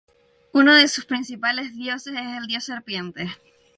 Uno de sus principales dioses es el "dios serpiente".